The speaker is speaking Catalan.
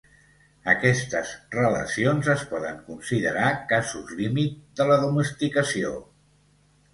Aquestes relacions es poden considerar casos límit de la domesticació.